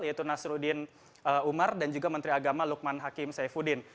yaitu nasruddin umar dan juga menteri agama lukman hakim saifuddin